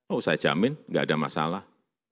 oh saya jamin nggak ada masalah